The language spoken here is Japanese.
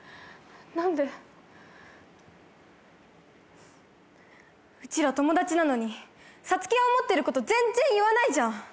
何でうちら友達なのにサツキは思ってること全然言わないじゃん